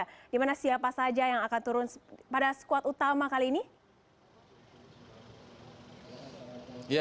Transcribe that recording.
dimana siapa saja yang akan turun pada squad utama kali ini